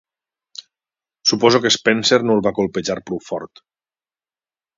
Suposo que Spencer no el va colpejar prou fort.